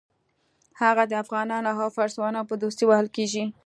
هغه د افغانانو او فارسیانو په دوستۍ وهل کېږي.